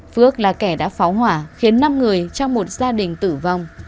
phước là kẻ đã phá hỏa khiến năm người trong một gia đình tử vong